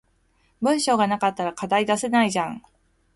文章が無かったら課題出せないじゃん